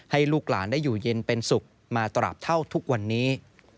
ให้ลูกหลานได้อยู่เย็นเป็นสุขมาตราบเท่าทุกวันนี้